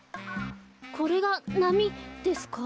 これがなみですか？